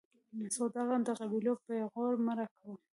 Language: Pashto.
خو دغه د قبيلت پېغور مه راکوئ.